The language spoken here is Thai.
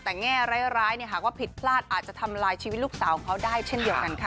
แต่แง่ร้ายหากว่าผิดพลาดอาจจะทำลายชีวิตลูกสาวของเขาได้เช่นเดียวกันค่ะ